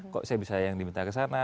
kok saya bisa yang diminta ke sana